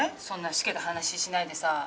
そんなしけた話しないでさ。